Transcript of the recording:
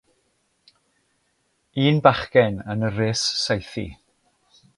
Un bachgen yn y rhes saethu.